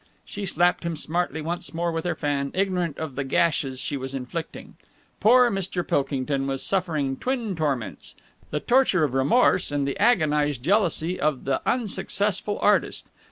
She slapped him smartly once more with her fan, ignorant of the gashes she was inflicting. Poor Mr. Pilkington was suffering twin torments, the torture of remorse and the agonized jealousy of the unsuccessful artist.